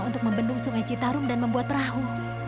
untuk membendung sungai citarum dan membuat perahu